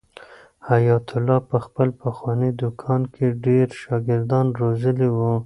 حیات الله په خپل پخواني دوکان کې ډېر شاګردان روزلي وو.